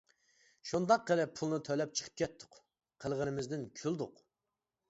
شۇنداق قىلىپ پۇلنى تۆلەپ چىقىپ كەتتۇق، قىلغىنىمىزدىن كۈلدۇق.